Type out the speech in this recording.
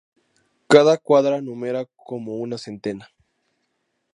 Cada cuadra numera como una centena.